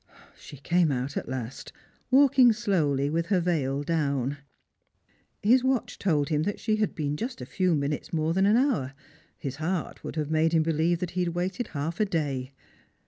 She came out at last, walking slowly, with her veil down. His watch told him that she had been just a few minutes more than an hour ; his heart would have made him believe that he had waited half a day.